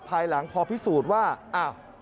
ภายหลังพอพิสูจน์ว่าอ้าว